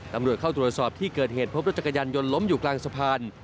ตำรวจเข้าตรวจสอบที่เกิดเหตุพบรถจักรยานยนต์ล้มอยู่กลางสะพาน